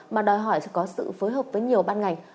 mà đòi hỏi có sự phối hợp với nhiều ban ngành